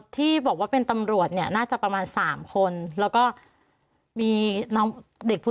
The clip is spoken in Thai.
ที่บอกว่าเป็นตำรวจเนี่ยน่าจะประมาณ๓คนแล้วก็มีน้องเด็กผู้